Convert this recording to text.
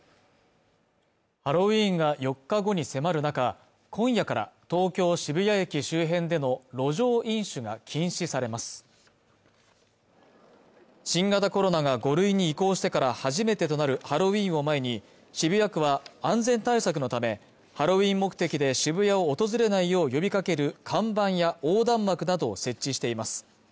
ハロウィーンが４日後に迫る中今夜から東京渋谷駅周辺での路上飲酒が禁止されます新型コロナが５類に移行してから初めてとなるハロウィーンを前に渋谷区は安全対策のためハロウィーン目的で渋谷を訪れないよう呼びかける看板や横断幕などを設置しています